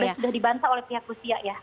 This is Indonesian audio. yang sudah dibantah oleh pihak rusia ya